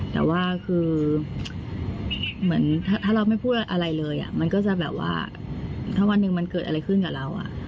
แต่ว่าคือเหมือนถ้าเราไม่พูดอะไรเลยมันก็จะแบบว่าถ้าวันหนึ่งมันเกิดอะไรขึ้นกับเรา